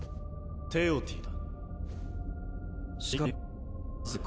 テオティだ。